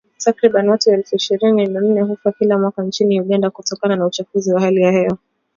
Takriban watu elfu ishirini na nane hufa kila mwaka nchini Uganda kutokana na uchafuzi wa hali ya hewa